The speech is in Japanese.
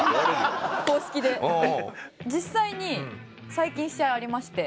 実際に最近試合ありまして。